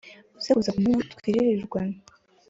uze kuza ku manywa twiririranwe